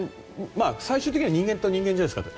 最終的には人間対人間じゃないですか。